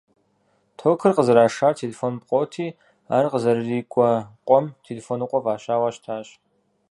Токыр къызэрашар телефон пкъоти, ар къызэрырикӀуэ къуэм «Телефоныкъуэ» фӀащауэ щытащ.